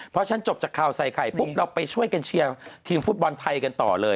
พอฉันจบจากข่าวใส่ไข่ปุ๊บเราไปช่วยกันเชียร์ทีมฟุตบอลไทยกันต่อเลย